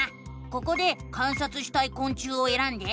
ここで観察したいこん虫をえらんで。